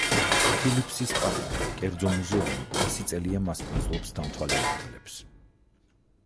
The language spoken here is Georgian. ფილიპსის პატარა, კერძო მუზეუმი ასი წელია მასპინძლობს დამთვალიერებლებს.